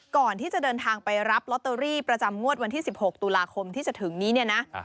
ก่อนที่จะเดินทางไปรับลอตเตอรี่ประจำงวดวันที่๑๖ตุลาคมที่จะถึงนี้เนี่ยนะ